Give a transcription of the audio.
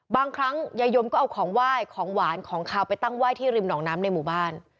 บางครั้งยายมก็เอาของไหว้ของหวานของขาวไปตั้งไหว้ที่ริมหนองน้ำในหมู่บ้าน